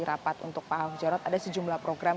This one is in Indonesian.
rapat untuk pak ahok jarot ada sejumlah program